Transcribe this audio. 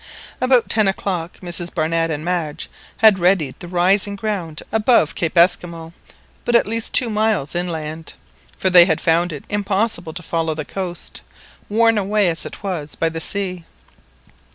About ten o'clock Mrs Barnett and Madge had readied the rising ground above Cape Esquimaux, but at least two miles inland, for they had found it impossible to follow the coast, worn away as it was by the sea.